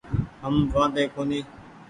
هم وآڌي ڪونيٚ ۔